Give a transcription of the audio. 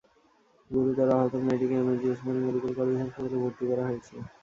গুরুতর আহত মেয়েটিকে এমএজি ওসমানী মেডিকেল কলেজ হাসপাতালে ভর্তি করা হয়েছে।